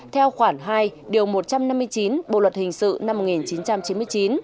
theo khoản hai điều một trăm năm mươi chín bộ luật hình sự năm một nghìn chín trăm chín mươi chín